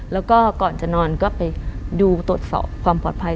แล้วก็ก่อนจะนอนก็ไปดูตรวจสอบความปลอดภัย